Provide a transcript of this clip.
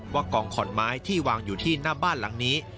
กองขอนไม้ที่วางอยู่ที่หน้าบ้านหลังนี้